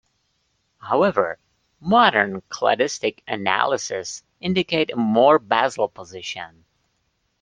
However, modern cladistic analyses indicate a more basal position.